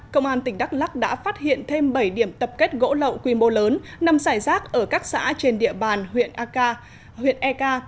công an tp đắk lắc đã phát hiện thêm bảy điểm tập kết gỗ lậu quy mô lớn nằm xảy rác ở các xã trên địa bàn huyện eka